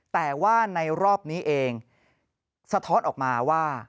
แต่ว่าในรอบนี้เองสะท้อนออกมาว่า